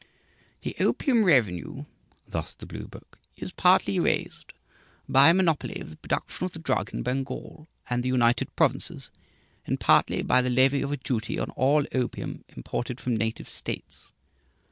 "The opium revenue" thus the blue book "is partly raised by a monopoly of the production of the drug in Bengal and the United Provinces, and partly by the levy of a duty on all opium imported from native states....